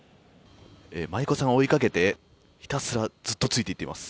舞子さんを追いかけてひたすらずっとついていっています。